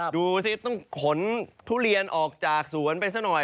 ดูสิต้องขนทุเรียนออกจากสวนไปซะหน่อย